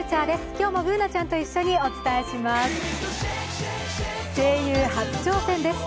今日のＢｏｏｎａちゃんと一緒にお伝えします。